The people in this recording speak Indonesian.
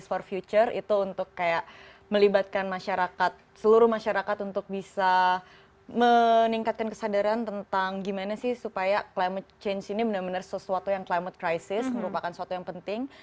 jadi ini adalah idea untuk masa depan untuk melibatkan masyarakat seluruh masyarakat untuk bisa meningkatkan kesadaran tentang gimana sih supaya climate change ini benar benar sesuatu yang climate crisis merupakan sesuatu yang penting